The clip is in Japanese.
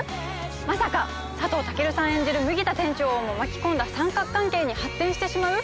まさか佐藤健さん演じる麦田店長をも巻き込んだ三角関係に発展してしまう？